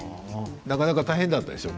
なかなか大変だったでしょ。